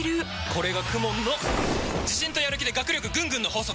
これがＫＵＭＯＮの自信とやる気で学力ぐんぐんの法則！